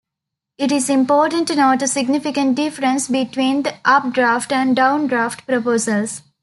It is important to note a significant difference between the up-draft and down-draft proposals.